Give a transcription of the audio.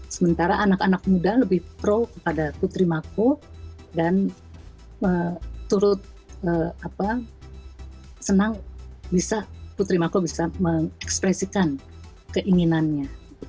sementara anak anak muda lebih pro kepada putri mako dan turut senang bisa putri mako bisa mengekspresikan keinginannya